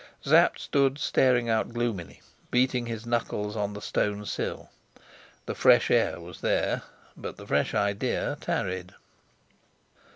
Sapt stood staring out gloomily, beating his knuckles on the stone sill. The fresh air was there, but the fresh idea tarried.